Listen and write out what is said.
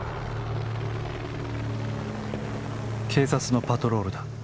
「警察のパトロールだ。